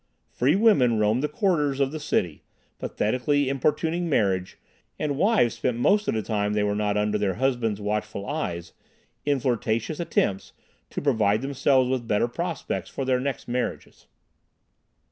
Free women roamed the corridors of the city, pathetically importuning marriage, and wives spent most of the time they were not under their husbands' watchful eyes in flirtatious attempts to provide themselves with better prospects for their next marriages.